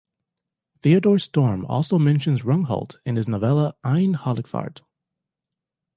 Theodor Storm also mentions Rungholt in his novella "Eine Halligfahrt".